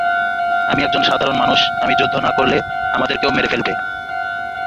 আমি একজন সাধারণ মানুষ, আমি যুদ্ধ না করলে, আমাদেরকেও মেরে ফেলবে।